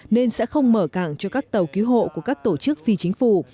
nên sẽ không mở cảng cho các tàu cứu hộ của các tổ chức phi chính phủ